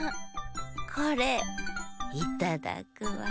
これいただくわ。